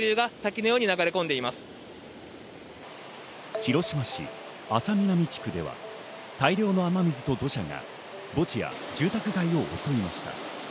広島市安佐南地区では大量の雨水と土砂が墓地や住宅街を襲いました。